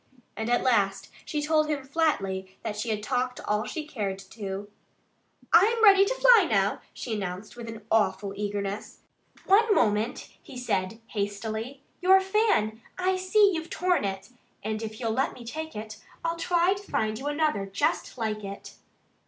And at last she told him flatly that she had talked all she cared to. "I'm ready to fly now," she announced with an awful eagerness. "One moment!" he said hastily. "Your fan I see you've torn it! And if you'll let me take it I'll try to find you another just like it."